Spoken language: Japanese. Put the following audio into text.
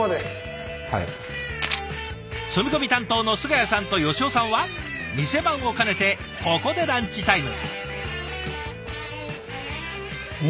積み込み担当の菅谷さんと吉尾さんは店番を兼ねてここでランチタイム。